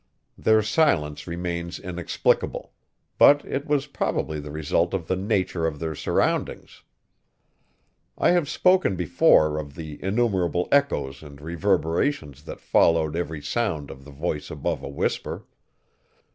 Their silence remains inexplicable; but it was probably the result of the nature of their surroundings. I have spoken before of the innumerable echoes and reverberations that followed every sound of the voice above a whisper.